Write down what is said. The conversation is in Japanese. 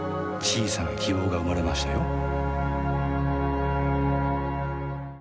小さな希望が生まれましたよ